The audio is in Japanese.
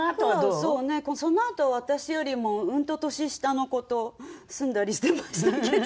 そうねそのあと私よりもうんと年下の子と住んだりしてましたけど。